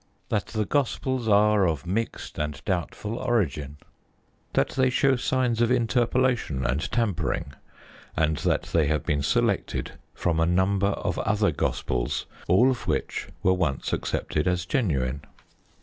That the Gospels are of mixed and doubtful origin, that they show signs of interpolation and tampering, and that they have been selected from a number of other Gospels, all of which were once accepted as genuine.